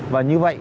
và như vậy